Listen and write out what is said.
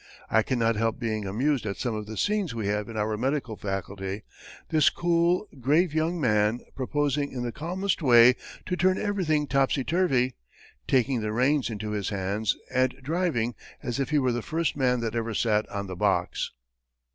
I cannot help being amused at some of the scenes we have in our medical faculty this cool, grave young man proposing in the calmest way to turn everything topsy turvy, taking the reins into his hands and driving as if he were the first man that ever sat on the box.